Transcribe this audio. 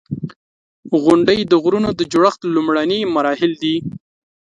• غونډۍ د غرونو د جوړښت لومړني مراحل دي.